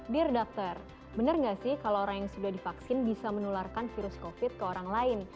dear dokter benar nggak sih kalau orang yang sudah divaksin bisa menularkan virus covid ke orang lain